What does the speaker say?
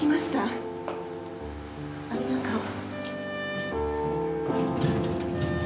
ありがとう。